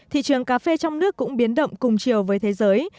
thị trường cà phê trong nước cũng biến động cùng chiều với thế giới